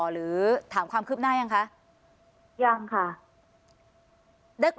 หรือถามความคืบหน้ายังคะยังค่ะ